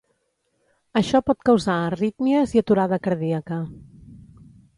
Això pot causar arrítmies i aturada cardíaca.